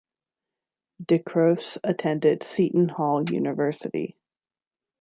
DeCroce attended Seton Hall University.